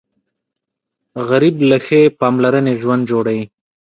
غریب له ښې پاملرنې ژوند جوړوي